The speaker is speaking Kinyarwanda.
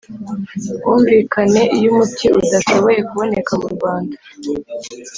bwumvikane Iyo umuti udashoboye kuboneka murwanda